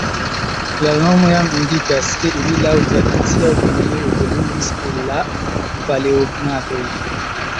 La nomo jam indikas, ke ili laŭ tradicia opinio evoluis el la Paleognatoj.